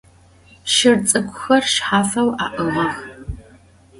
Şır ts'ık'uxer şshafeu a'ığıx.